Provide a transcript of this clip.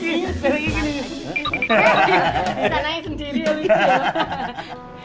bisa nanya sendiri